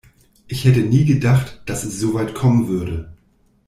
Ich hätte nie gedacht, dass es so weit kommen würde.